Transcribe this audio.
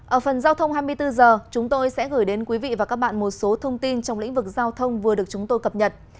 ở phần giao thông hai mươi bốn h chúng tôi sẽ gửi đến quý vị và các bạn một số thông tin trong lĩnh vực giao thông vừa được chúng tôi cập nhật